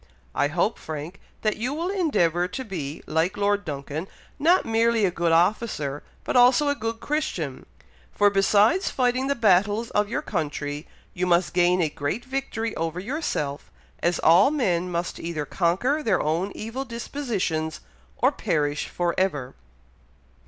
I hope, Frank, that you will endeavour to be, like Lord Duncan, not merely a good officer, but also a good Christian; for, besides fighting the battles of your country, you must gain a great victory over yourself, as all men must either conquer their own evil dispositions, or perish for ever."